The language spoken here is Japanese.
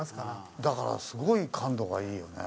だからすごい感度がいいよね。